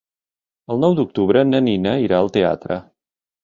El nou d'octubre na Nina irà al teatre.